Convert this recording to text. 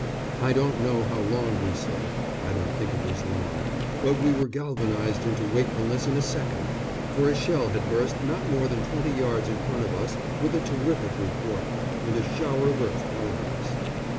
I don't know how long we slept I don't think it was long but we were galvanised into wakefulness in a second, for a shell had burst not more than twenty yards in front of us with a terrific report, and a shower of earth fell on us.